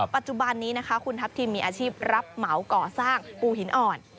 ปัจจุบันนี้นะคะคุณทัพทิมมีอาชีพรับเหมาก่อสร้างปูหินอ่อน